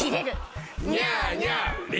ニャーニャー。